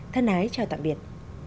thân ái chào tạm biệt